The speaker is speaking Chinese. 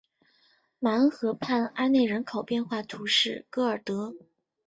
马恩河畔阿内人口变化图示戈尔德